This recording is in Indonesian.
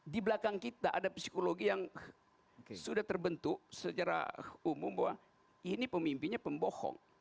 di belakang kita ada psikologi yang sudah terbentuk secara umum bahwa ini pemimpinnya pembohong